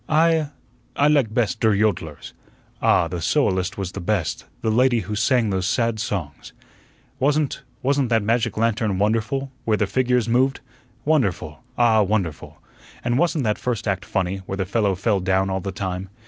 "I I like best der yodlers." "Ah, the soloist was the best the lady who sang those sad songs." "Wasn't wasn't that magic lantern wonderful, where the figures moved? Wonderful ah, wonderful! And wasn't that first act funny, where the fellow fell down all the time?